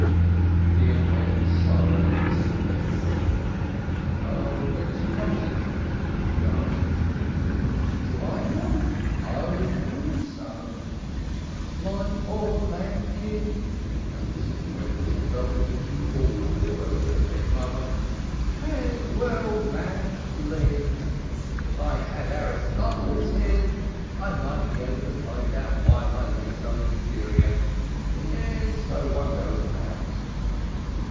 The young man sighed sympathetically. "Whence comes it?" he asked. "Do I know? I was born so. My poor lambkin (this was the way Mrs. Belcovitch always referred to her dead mother) had well matched legs. If I had Aristotle's head I might be able to find out why my legs are inferior. And so one goes about."